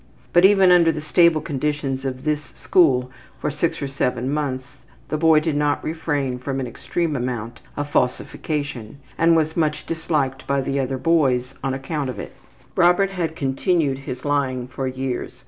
But even under the stable conditions of this school for six or seven months the boy did not refrain from an extreme amount of falsification and was much disliked by the other boys on account of it. Robert had continued his lying for years.